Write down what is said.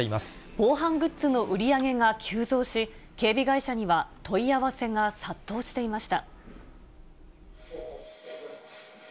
防犯グッズの売り上げが急増し、警備会社には問い合わせが殺到していました。